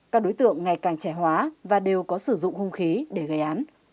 các đối tượng ngày càng trẻ hóa và đều có sử dụng hung khí để gây án